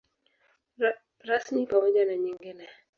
Rasmi pamoja na nyingine.